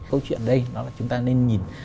câu chuyện đây đó là chúng ta nên nhìn